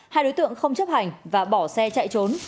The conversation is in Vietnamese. hai đối tượng không chấp hành và bỏ xe chạy trốn